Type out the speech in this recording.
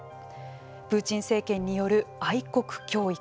プーチン政権による愛国教育。